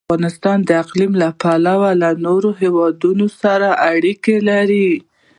افغانستان د اقلیم له پلوه له نورو هېوادونو سره اړیکې لري.